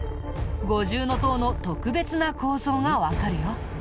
五重塔の特別な構造がわかるよ。